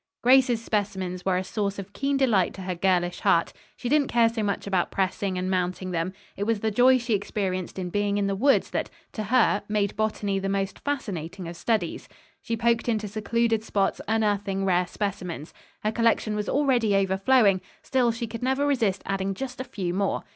Grace's specimens were a source of keen delight to her girlish heart. She didn't care so much about pressing and mounting them. It was the joy she experienced in being in the woods that, to her, made botany the most fascinating of studies. She poked into secluded spots unearthing rare specimens. Her collection was already overflowing; still she could never resist adding just a few more.